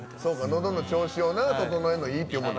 喉の調子を整えるのいいっていうもんな。